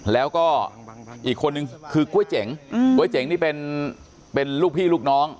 แล้วก็อีกคนนึงคือกล้วยเจ๋งก๋วยเจ๋งนี่เป็นลูกพี่ลูกน้อง